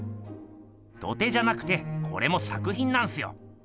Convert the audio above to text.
土手じゃなくてこれも作ひんなんすよ。